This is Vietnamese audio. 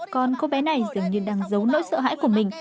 con cô bé này dường như đang giấu nỗi sợ hãi của mình